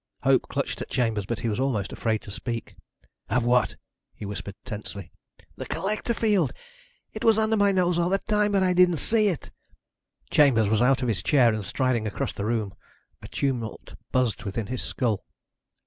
Hope clutched at Chambers, but he was almost afraid to speak. "Have what?" he whispered tensely. "The collector field! It was under my nose all the time, but I didn't see it!" Chambers was out of his chair and striding across the room. A tumult buzzed within his skull.